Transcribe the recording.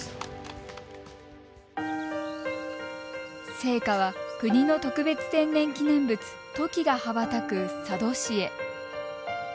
聖火は国の特別天然記念物トキが羽ばたく佐渡市へ。